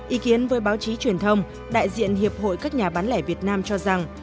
ý kiến với báo chí truyền thông đại diện hiệp hội các nhà bán lẻ việt nam cho rằng